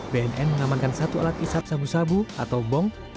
badan narkotika mengamankan satu alat hisap sabu sabu atau bong